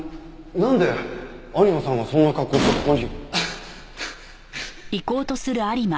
なんで有馬さんがそんな格好してここに？